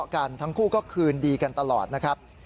คู่ก็คืนดีกันตลอดนะครับ